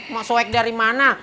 mau soek dari mana